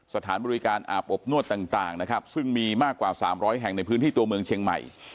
สถานบริการอาบอบนวดต่างนะครับซึ่งมีมากกว่า๓๐๐แห่งในพื้นที่ตัวเมืองเชียงใหม่